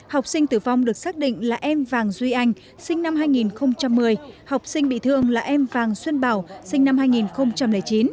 học sinh tử vong được xác định là em vàng duy anh sinh năm hai nghìn một mươi học sinh bị thương là em vàng xuân bảo sinh năm hai nghìn chín